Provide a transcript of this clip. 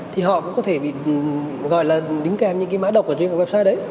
thì họ cũng có thể bị đính kèm những mã độc của những website đấy